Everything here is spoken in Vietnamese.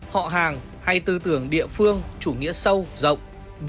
họ hàng hay tư tưởng địa phương chủ nghĩa sâu rộng